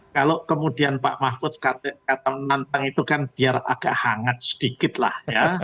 kalau kemudian pak mahfud kata menantang itu kan biar agak hangat sedikit lah ya